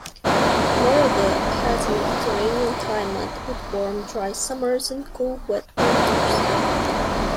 Moraga has a Mediterranean climate, with warm, dry summers and cool, wet winters.